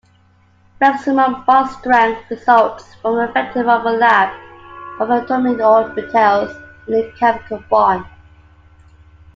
Maximum bond strength results from effective overlap of atomic orbitals in a chemical bond.